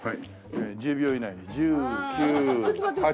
１０秒以内に１０９８。